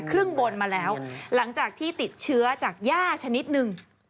ครึ่งบนมาแล้วหลังจากที่ติดเชื้อจากย่าชนิดหนึ่ง